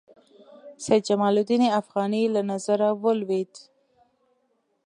سید جمال الدین افغاني له نظره ولوېد.